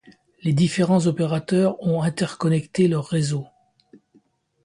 Les différents opérateurs ont interconnecté leurs réseaux.